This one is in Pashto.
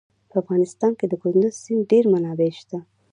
په افغانستان کې د کندز سیند ډېرې منابع شته.